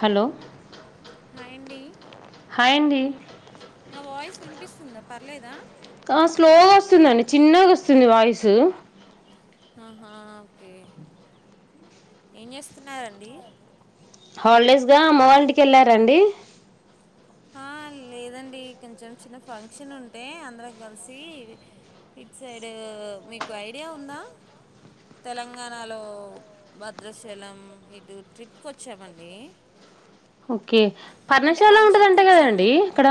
Hello hi అండి hi అండి ఉందా పర్లేదా ఆ స్లోగా వస్తుందండి చిన్నగా వస్తుంది వాయిసు ఆహా ఓకే ఏం చేస్తున్నారండి హాలిడేస్ గా అమ్మవాళ్ళింటికి ఎళ్లార అండి హా లేదండి కొంచెం చిన్న ఫంక్షన్ ఉంటే అందరం కలిసి ఇటు సైడ్ మీకు ఐడియా ఉందా తెలంగాణలో భద్రాచలం ఇటు ట్రిప్కి వచ్చామండి ఓకే అంటే ఫంక్షన్కి టే వచ్చాము అండీ ఇక్కడ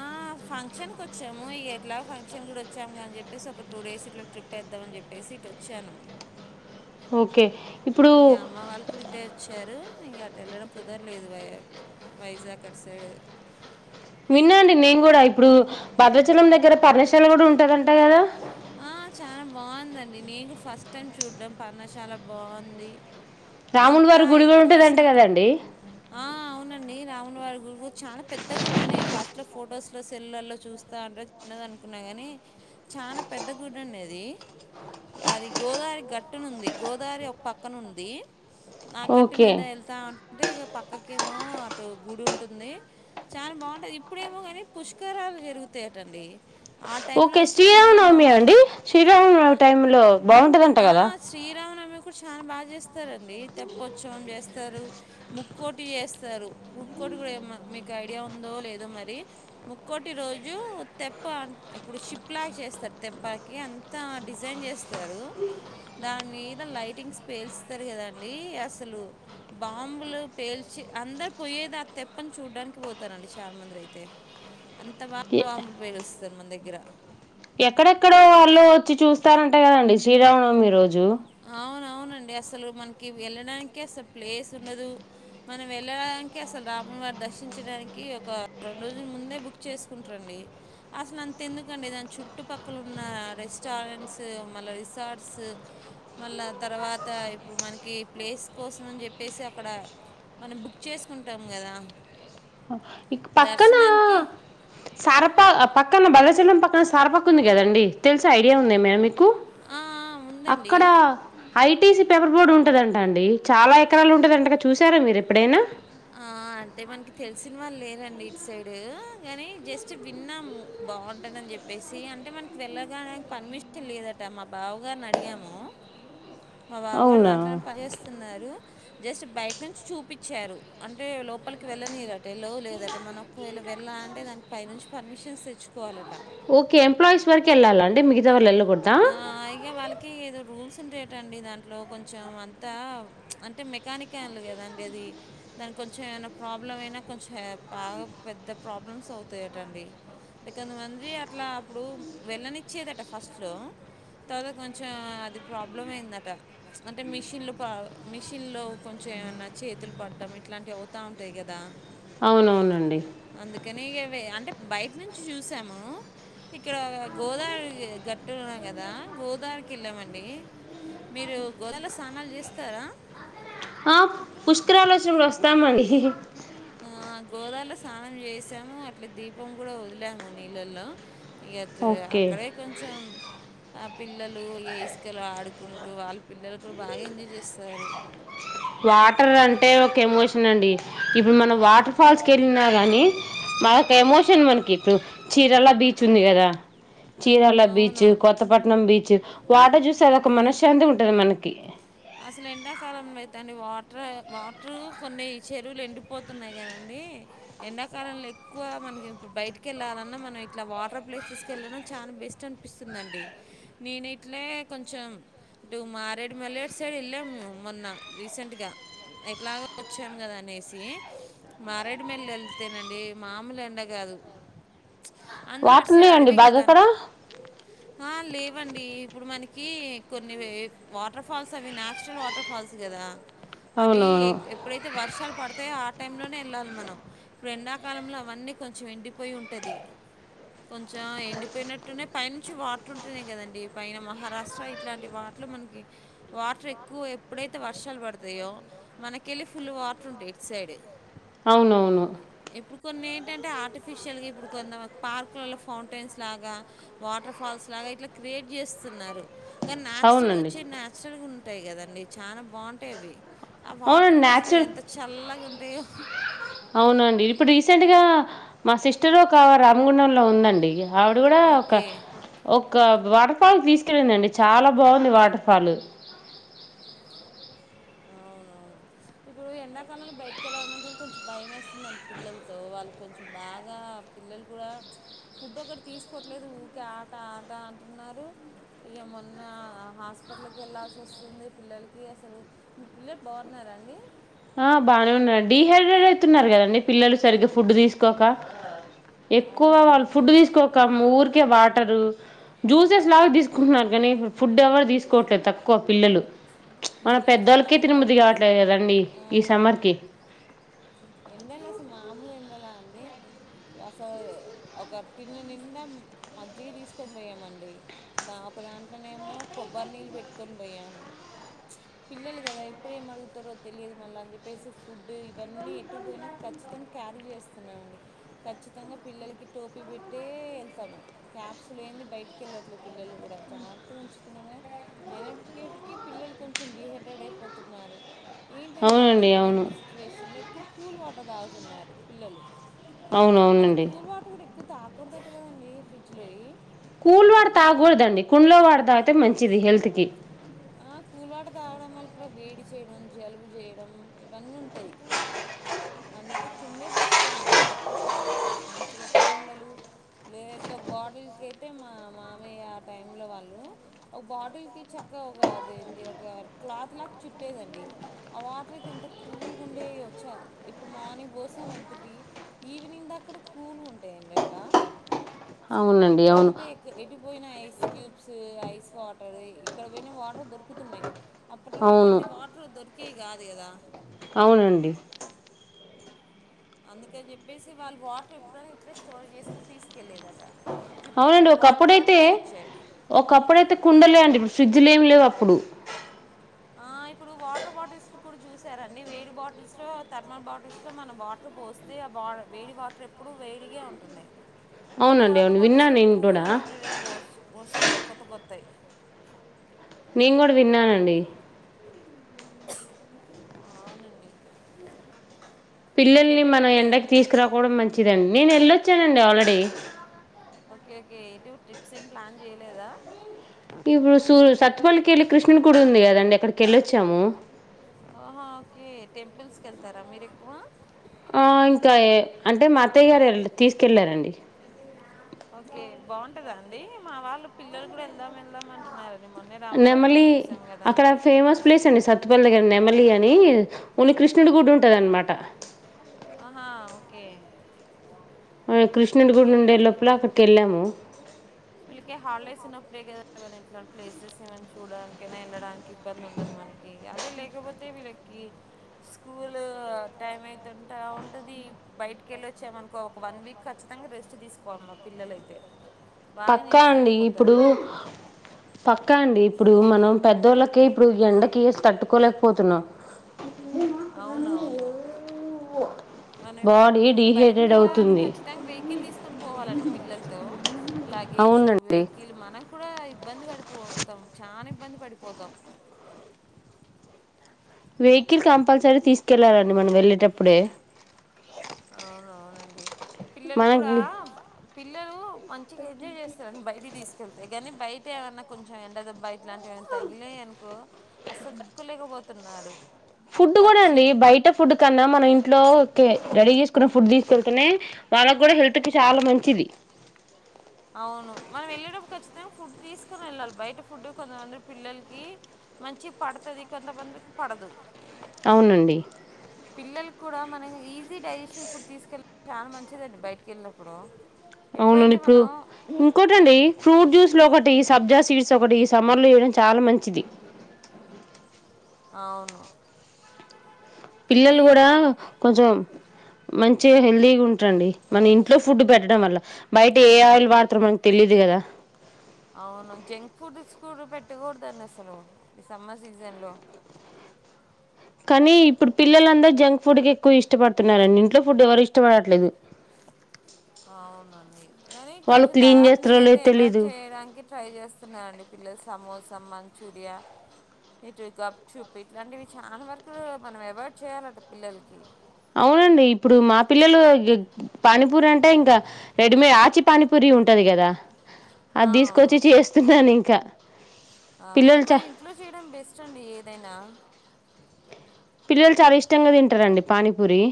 ఆ ఫంక్షన్ కొచ్చాము ఇ ఎట్లా ఫంక్షన్ కూడా వచ్చాము కా అని చెప్పేసి ఒక టూ డేస్ ఇట్లా ట్రిప్ వేద్దామని చెప్పేసి ఇటొచ్చాను ఓకే ఇప్పుడు ఇక అమ్మ వాళ్ళు కుడా ఇటే వచ్చారు ఇంకా అటెళ్ళడం కుదరలేదు వై వైజాగ్ అటు సైడ్ విన్నా అండి నేను కూడ ఇప్పుడు భద్రాచలం దగ్గర పర్ణశాల కూడా ఉంటాదంట కదా ఆ చానా బావుందండి నేగూ ఫస్ట్ టైం చూడ్డం పర్ణశాల బావుంది రాముల అంతా వారి గుడి కూడా ఎక్కడ ఉంటుందంట చూసిన కదండి ఆ అవునండి రావ అమ్మవారి గుడి కూడా చాలా పెద్దగా ఉందండీ ఫస్ట్ లో ఫొటోస్ లో సెల్లలో చూస్తంటే చిన్నదినుకున్నా కానీ చానా పెద్ద గుడుండేది అది గోదారి గట్టునుంది గోదారి ఒక పక్కన ఉంది నా గట్టి ఓకే మీద ఎల్తా ఉంటే ఇక ప పక్కకేమో అటు గుడుంటుంది చాలా బావుంటది ఇప్పుడేమో కానీ పుష్కరాలు జరుగుతాయటండి ఆ టైమ్ లో ఓకే వస్తే చానా బావుం శ్రీరామనవమి అండి శ్రీరామనవమి టైఝ లో బాగుంటదంట ఆ! కదా శ్రీరామనవమి చాలా బాగా చేస్తారండి తెప్పోత్సవం చేస్తారు ముక్కోటి చేస్తారు ముక్కోటి కూడా ఏమ మీకు ఐడియా ఉందో లేదో మరి ముక్కోటి రోజు తెప్ప అంటే ఇప్పుడు షిప్లాగా చేస్తారు తెప్పకి అంతా డిజైన్ చేస్తారు, దాని మీద లైటింగ్స్ పేల్స్తరు కదండి అసలు బాంబులు పేల్చి అందరు పోయేది ఆ తెప్పని చూడ్డానికి పోతారండి, చాలా మంది అయితే అంత బాగా ఎ- బాంబులు పేలుస్తారు మన దగ్గర ఎక్కడెక్కడో వాళ్ళు వచ్చి చూస్తారంటే కదండి శ్రీరామ నవమి రో జు నండి అసలు మనకి వెళ్ళడానికి అసలు ప్లేస్ ఉండదు, మనం వెళ్ళడానికి అసలు రాముని వారి దర్శించడానికి ఒక రెండు రోజులు ముందే బుక్ చేసుకుంటారండి, అసలు అంత ఎందుకండి దాని చుట్టుపక్కల ఉన్న రెస్టారెంట్స్ మళ్ళ రిసార్ట్స్. మళ్ళా తర్వాత ఇప్పుడు మనకి ప్లేస్ కోసం అని చెప్పేసి అక్కడ మనం బుక్ చేసుకుంటాం కదా ఇక దర్శనానికి, ఓప్పా ఆ పక్కన బల్లచలం పక్కన సరపకు ఉంది కదండి తెలుస ఐడియా ఉంది మేమ్ మీకు ఆ! ఆ! ఉందండి. అక్కడ ఐటీసీ పేపర్ బోర్డు ఉంటుదంటా అండి చాలా ఎకరాలు ఉంటదంటగా చూసారా మీరు ఎప్పుడైనా, ఆ అంటే మనకి తెలిసిన వాళ్ళు లేరండి ఇటు సైడు కానీ జస్ట్ విన్నాము బాగుంటుందని చెప్పేసి అంటే మనకి వెళ్ళగాడానికి పర్మిషన్ లేదట మా బావగారిని అడిగాము. మా బావగారు అవునా దాంట్లోనే పనిచేస్ తున్నారు జస్ట్ బయట నుంచి చూపించారు అంటే లోపలికి వెళ్ళనీరట ఎలో లేదట మనం ఒకవేళ వెళ్ళాలంటే దానికి పై నుంచి పర్మిషన్స్ తెచ్చుకోవాలట. ఓకే ఎంప్లాయీస్ వరకు వెళ్ళాలండి మిగతా వాళ్ళు వెళ్ళకూడదా కే ఏదో రూల్స్ ఉంటాయ టండి దాంట్లో కొంచెం అంతా ప్చ్ అంటే మెకానికల్ కదా అండి అది, దానికి కొంచెం ఏమైనా ప్రాబ్లం అయినా కొంచెం బాగా పెద్ద ప్రాబ్లమ్స్ అవుతాయట అండి, అంటే కొంతమంది అట్లా అప్పుడు వెళ్ళనిచ్చేదట ఫస్ట్లో తర్వాత కొంచెం అది ప్రాబ్ బ్లమ్ అయిందట ప్చ్ అంటే మిషిన్లు పా మిషన్లో కొంచెం ఏమైన్నా చేతులు పడ్డం ఇట్లాంటివి అవుతా ఉంటాయి కదా, అవును అవునండి అందుకని ఇక వే అంటే బయట నుంచి చూసాము ఇక్కడ గోదావరి గట్టులు ఉన్నా కదా గోదావరికి వెళ్ళామండి. మీరు గోదారిలో స్నానాలు చేస్తారా ఆ, పుష్కరాలు వచ్చినప్పుడు వస్తామండి ఆ గోదారిలో స్నానం చేసాము అట్లే దీపం కూడా వదిలాము నీళ్ళల్లో ఈ అటు ఓకే అక్కడే కొంచెం ఆ పిల్లలు ఏ ఇసుకలు ఆడుకుంటూ వాళ్ళ పిల్లలు కూడా బాగా ఎంజాయ్ చేస్తారు వాటర్ అంటే ఒక ఎమోషన్ అండి ఇప్పుడు మనం వాటర్ ఫాల్స్ కి ఎళ్ళినా గానీ మాకు ఎమోషన్ మనకి ఇప్పుడు చీరాల బీచ్ ఉంది కదా చీరాల బీచ్ అవునవును. కొత్తపట్నం బీ వాటర్ చూస్తే ఆది ఒక మనశ్శాంతి ఉంటుంది మనకి అసలు ఎండాకాలంలో అయితే అండి వాటర్ వాటర్ కొన్ని చెరువులు ఎండిపోతున్నాయి కదండి ఎండాకాలంలో ఎక్కువ మనకి ఇప్పుడు బయటికి వెళ్ళాలన్నా మనం ఇట్లా వాటర్ ప్లేసెస్కి వెళ్ళడం చాలా బెస్ట్ అనిపిస్తుందండి నేను ఇట్లే కొంచెం ఇటు మారేడు మల్లె ఈ సైడ్ వెళ్ళాము మేము మొన్న రీసెంట్గా ఎట్లాగ వచ్చాం కదా అనేసి మారేడు మేల్లె వెళ్తేనండి మామూలు ఎండ కాదు అందులో అటు వాటర్ సైడ్ ఉన్నాయండి అడవి బాగా ఆక్కడ కదండి ఆ లేవండి ఇప్పుడు మనకి కొన్ని వేప్ వాటర్ ఫా ఫాల్స్ అవి నాచురల్ వాటర్ ఫాల్స్ కదా అవి అవునవును ఎప్పుడు అయితే వర్షాలు పడితే ఆ టైంలోనే వెళ్ళాలి మనం ఇప్పుడు ఎండాకాలంలో అవన్నీ కొంచెం ఎండిపోయి ఉంటుంది కొంచెం ఎండిపోయినట్టునే పైనుంచి వాటలు ఉంటేనే కదండి పైన మహారాష్ట్ర ఇట్లాంటి వాటిలు మనకి వాటర్ ఎక్కువ ఎప్పుడైతే వర్షాలు పడతాయో మనకెళ్ళి ఫుల్ వాటర్ ఉంటాయి ఇటు సైడే అవునవును ఇప్పుడు కొన్ని ఏంటంటే ఆర్టిఫిషియల్గా ఇప్పుడు కొంత పార్కులలో ఫౌంటైన్స్ లాగా వాటర్ ఫాల్స్ లాగా ఇట్లా క్రియేట్ చేస్తున్నారు ఇంగా నాచురల్ గా అవునండి వచ్చే నాచ్ పెరిగుంటాయి కదండి చాలా బాగుంటాయి అవి ఆ వాటర్ అవునండి కూడా అసలు న్యాచురల్ ఎంత చల్లగా ఉ అయ్యో హ్ అవునండి ఇప్పుడు రీసెంట్ గా మా సిస్టర్ ఒక రామగుండం లో ఉందండి ఆవిడ కూడా ఒక ఓకే ఒ ఒక వాటర్ ఫాల్ తీసుకునెల్లండి ఆండి చాలా బాగుంది వాటర్ ఫాల్ అవునవును ఇప్పుడు ఎండ కాలం లో బయటికి వెళ్ళాలి అన్న కూడా కొంచెం భయం వేస్తుందండి పిల్లలతో వాళ్ళు కొంచెం బాగా పిల్లలు కూడా ఫుడ్ ఒకటి తీసుకోవట్లేదు ఊరికే ఆట ఆట అంటున్నారు ఇక మొన్న హాస్పిటల్కి వెళ్ళాల్సి వస్తుంది పిల్లలకి అసలు మీ పిల్లలు బాగున్నారా అండి ఆ బాగానే ఉన్నా డిహైడ్రేట్ అయితున్నారు కదండి పిల్లలు సరిగ ఫూ ఫుడ్ తీసుకోక ఎక్కువ వాళ్ళు అవునవును ఫుడ్ తీసుకోక ఊరికే వాటరు జూసేస్ లాగా తీసుకుంటున్నారు గానీ ఫుడ్ ఎవరు తీసుకోవట్లేదు తక్కువ క్కువ పిల్లలు మన పిల్లలు పెద్దవాళ్ళకే చాలా తినబుద్ధి తక్కువ కావట్లేదు కదండడి ఈ అవును సమ్మర్కి ఎండలు అసలు మామూలు ఎండల అండి అసలు ఒక పిన్ నిండా మజ్జిగ తీసుకొని పోయాం అండి ఒక దాంట్లో నెమో కొబ్బరి నీళ్లు పెట్టుకోని పోయాను పిల్లలు కదా ఎప్పుడు ఏం అడుగుతారో తెలియదు మళ్ళీ అని చెప్పేసి ఫుడ్ ఇవన్నీ ఎట్టుకుపోయినా ఖచ్చితంగా క్యారీ చేస్తున్నా అండి ఖచ్చితంగా పిల్లలకి టోపీ పెట్టే వెళ్తాము క్యాప్స్ లేంది బయటికి వెళ్ళట్లేదు పిల్లలు కూడా జాగ్రత్తగా ఉంచుతున్నాము అయిన కీట్కి పిల్లలు కొంచెం డిహైడ్రేట్ అయిపోతున్నారు ఏంటంటే అండి అవునండి ఇప్పుడు అవును ఉన్న సిచ్యువేషన్ వీళ్ళు ఎక్కువ కూల్ వాటర్ దాగుతున్నారు పిల్లలు అవును అది అవునండి కూల్ వాటర్ కూడా ఎక్కువ తా ఎవరు పెట్టారు కదండి ఫ్రిడ్జ్ లోయి కూల్ వాటార్ తాగకూడదండి కుండ్లో వాటార్ తాగితే మంచిది హెల్త్ కి కూల్ వాటర్ తాగడం వల్ల కూడా వేడి చేయడం జలుబు చేయడం ఇవన్నీ ఉంటాయి అందుకే కుండే బెస్ట్ అండి ఒకప్పుడు వాళ్ళ మంచిగా కుండలు లేకపోతే ఒక బాటిల్కి అయితే మా మామయ్య ఆ టైంలో వాళ్ళు ఒక బాటిల్కి చక్క ఇంకా ఒక అదేంటి ఒక క్లాత్ లాగా చుట్టేదండి ఆ వాటర్ అయితే ఎంత కూల్గా ఉండే వచ్చా ఇప్పుడు మార్నింగ్ పోసామ అనుకుంటే ఈవినింగ్ దాకా కూడా కూల్గా ఉంటాయండి అట్లా అవునండి అవును ఎప్పుడంటే ఎటు పోయిన ఐస్ క్యూబ్స్ ఐస్ వాటరు ఇ ఇక్కడ పోయినా వాటర్ దొరుకుతున్నాయి అప్పట్లో వాళ్ళకి అవును అన్ని వాటర్ దొ కే కాదు కదా అవునండి అందుకని చెప్పేసి వాళ్ళు వాటర్ ఎప్పుడైనా ఇట్లా స్టోర్ చేసుకుని తీసుకెళ్లేదట అవునండి ఒకప్పుడైతే ఒకప్పుడైతే కుండలే అండి ఫ్రిడ్జిలు ఏమి లేవు అప్పుడు ఆ ఇప్పుడు వాటర్ బాటిల్స్ కు చూసారా అండి వేడి బాటిల్స్ థెర్మో బాటిల్స్ లో మనం వాటర్ పోస్తే ఆ వార్ వేడి వాటర్ ఎప్పుడు వేడిగే ఉంటున్నయ్ కొన్ని అవునండి వాటర్ అవును విన్నా బాటిల్స్ లో నేను కూడా కూల్ గా ఉండేటట్టు పోసు వస్ సన్నయ్ కొత్త కొత్తయ్ నేను కూడా విన్నానండి ఆవునండి పిల్లల్ని మనం ఎండకి తీసుకురాకపోవడం మంచిదండి నేను వెళ్ళ వచ్చానండి ఆల్రెడీ ఓకే ఓకే ఏటు ట్రిప్స్ ఏం ప్లాన్ చేయలేదా ఇప్పుడు సూ సత్పల్లికి వెళ్ళి కృష్ణుని గుడి ఉంది కదా అండి అక్కడికి వెళ్ళొచ్చాము ఆహా ఓకే టెంపుల్స్ కెళ్తారా మీరు ఎక్కువ ఆ, ఇంకా అంటే మా అతయ్య గారు తీసుకెళ్ళారండి ఓకే బాగున్ ఉంటదా అండి మా వాళ్ళు పిల్లలు కూడా వెళ్దాం వెళ్దాం అంటున్నారు నెమలి అక్కడ ఫేమస్ ప్లేస్ అండి సత్పల్ దగ్గర నెమలి అని ఓన్లీ కృష్ణుడి గుడి ఉంటదన్నమాట ఆహా ఓకే ఆ కృష్ణుడి ఇక గుడి నుండే వీళ్ళకి లోపల అక్కడికి వెళ్ళాము వీళ్ళకి హాలిడేస్ ఉన్నప్పుడే కదా మ ఇట్లాంటి ప్లేసెస్ ఏమైనా చూడానికినా వెళ్ళడానికి ఇబ్బంది ఉండదు మనకి అదే లేకపోతే వీళ్ళకి స్కూల్ టైం అయితే ఉంటా ఉంటుంది బయటికి వెళ్ళి వచ్చామనుకో ఒక వన్ వీక్ ఖచ్చితంగా రెస్ట్ తీసుకోవాలిమ్మా పిల్లలైతే బాగా పక్కా నీరసం అండి ఇప్పుడు అయిపోతారు పక్కా అండి ఇప్పుడు మనం పెద్దోళ్ళకే ఇప్పుడు ఎండకియేసి తట్టుకోలేకపోతున్నాం అవునవును మనం బాడీ ఇప్పుడు బయటకి డీహైడ్రేట్ వెళ్ళాలని అవుతుంది ఖచ్చితంగా వెహికల్ తీసుకొని పోవాలండి పిల్లలతో లగేజు అవునండి వెహికల్ మనం కూడా ఇబ్బంది పడిపోతాం చానా ఇబ్బంది పడిపోతాం వెహికల్ కంపల్సరీ తీసుకెళ్ళాలండి మనం వెళ్ళేటప్పుడే అవును అవునండి పిల్లలు కూడా మనకి పిల్లలు మంచిగా ఎంజాయ్ చేస్తారుని బయటికి తీసుకెళ్తే గానీ బయట ఏమైన్నా కొంచెం ఎండ దబ్బా ఇట్లాంటివి ఏమైనా తగిలే అనుకో అసలు కట్టుకోలేకపోతున్నారు ఫుడ్ కూడా అండి బయట ఫుడ్ కన్నా మన ఇంట్లో ఓకే రెడీ చేసుకున్న ఫుడ్ తీసుకెళ్తేనే వాళ్ళకు కూడా హెల్త్ కి చాలా మంచిది అవును మనం వెళ్ళేటప్పుడు ఖచ్చితంగా ఫుడ్ తీసుకొని వెళ్ళాలి, బయట ఫుడ్ కొంతమంది పిల్లలకి మంచిగ పడతది కొంతమందికి పడదు అవునండి పిల్లలు కూడా మనం ఈజీ డైజెషన్ ఫుడ్ తీసుకెళ్ళాల చాలా మంచిదండి బయటికి వెళ్ళినప్పుడు అవునండి ఎప్పుడైతే ఇప్పుడు మనం ఇంకోటండి ఫ్రూట్ జ్యూస్లు ఒకటి సబ్జాస్ ఇస్ ఒకటి సమ్మర్ లో ఇయడం చాలా మంచిది అవును పిల్లలు ఈ గూడా కొంచం మంచిగా హెల్తీగా ఉంటుండి మన ఇంట్లో ఫుడ్ పెట్టడం వల్ల బయట ఏ ఆయిల్ వాడతారో మనకు తెలీదు కదా అవును జంక్ ఫుడ్ సు కూడా పెట్టకూడదండి అసలు ఈ సమ్మర్ సీజన్ లో కానీ ఇప్పుడు పిల్లలందరూ జంక్ ఫుడ్ కి ఎక్కువ ఇష్టపడుతున్నారండి ఇంట్లో ఫుడ్ ఎవరు ఇష్టపడట్లేదు అవునండి కానీ వాళ్ళు కొంచెం క్లీన్ దాదాపు చేస్తారో నేనైతే లేదో ఎవడ్ తెలీదు చేయడానికి ట్రై చేస్తున్నానండి పిల్లలు సమోసా సమ్ మంచూరియా ఇటు గప్ చూపు ఇట్లాంటివి చానా వరకు మనం ఎవాయిడ్ చేయాలట పిల్లలకి అవునండి ఇప్పుడు మా పిల్లలు పానీపూరి అంటే ఇంకా రెడీమేడ్ ఆచి పానీపూరి ఉంటది కదా అది అవును తీసుకొచ్చి చేస్తున్నాను ఇంకా ఆ అది పిల్లలు చ మనం ఇంట్లో చేయడం బెస్ట్ అండి ఏదైనా పిల్లలు చాలా ఇష్టంగా తింటారండి పానీపూరి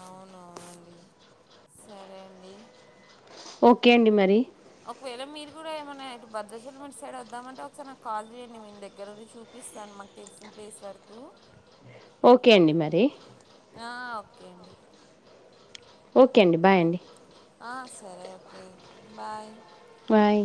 అవును అవునండి సరే అండి ఓకే అండి మరి ఒకవేళ మీరు కూడా ఏమన్నా ఇటు భద్రాచాలిమిట్ సైడ్ వద్దామంటే ఒకసారి నాకు కాల్ చేయండి మీే దగ్గరండి చూపిస్తాను మాకు తెలిసిన ప్లేస్ వరకు ఓకే అండి మరి ఆ ఓకే అండి ఓకే అండి బాయ్ అండి ఆ సరే ఓకే బాయ్ బాయ్